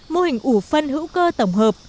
mô hình ủ phân hữu cơ tổng hợp